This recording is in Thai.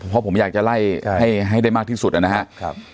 ผมเพราะผมอยากจะไล่ให้ให้ได้มากที่สุดอ่ะนะฮะครับ